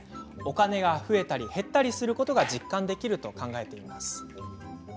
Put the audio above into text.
お金が増えたり減ったりすることが実感できると考えています。